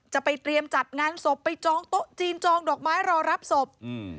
จะไปเตรียมจัดงานศพไปจองโต๊ะจีนจองดอกไม้รอรับศพอืม